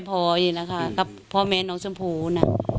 ที่กำลังเป็นน้ำสมพูตลอด